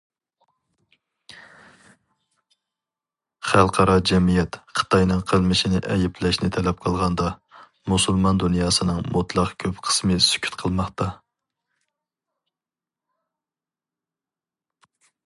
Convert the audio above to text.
خەلقئارا جەمئىيەت خىتاينىڭ قىلمىشىنى ئەيىبلەشنى تەلەپ قىلغاندا ، مۇسۇلمان دۇنياسىنىڭ مۇتلەق كۆپ قىسمى سۈكۈت قىلماقتا.